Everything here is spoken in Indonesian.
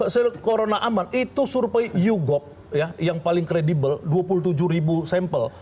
sel corona aman itu survei you gop yang paling kredibel dua puluh tujuh ribu sampel